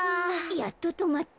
やっととまった。